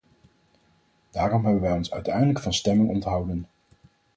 Daarom hebben wij ons uiteindelijk van stemming onthouden.